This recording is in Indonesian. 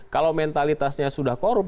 kalau mentalitasnya sudah korup